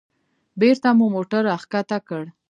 بېرته مو موټر راښکته کړ.